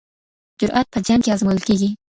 جرئت په جنګ کي ازمویل کیږي.